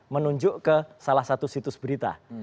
menunjuk ke salah satu situs berita